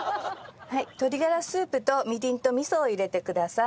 鶏がらスープとみりんと味噌を入れてください。